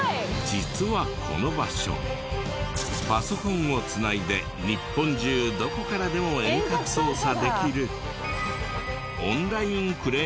実はこの場所パソコンを繋いで日本中どこからでも遠隔操作ができる。